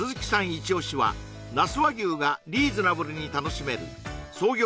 イチオシは那須和牛がリーズナブルに楽しめる創業